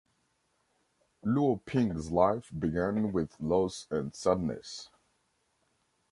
Luo Ping's life began with loss and sadness.